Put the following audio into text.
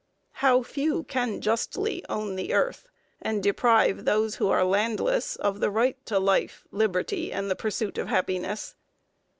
How few can justly own the earth, and deprive those who are landless of the right to life, liberty, and the pursuit of happiness?